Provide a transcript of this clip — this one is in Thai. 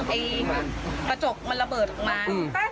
ไอ้ประจกมันระเบิดมา